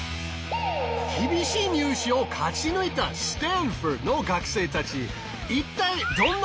厳しい入試を勝ち抜いたスタンフォードの学生たち。